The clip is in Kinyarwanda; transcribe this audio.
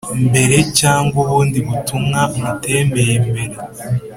mbere cyangwa ubundi butumwa mutemeye mbere